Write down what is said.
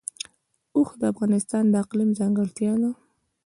اوښ د افغانستان د اقلیم ځانګړتیا ده.